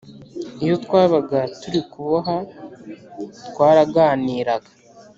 iyo twabaga turi kuboha twaraganiraga.